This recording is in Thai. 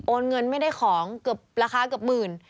โอนเงินไม่ได้ของราคากับหมื่น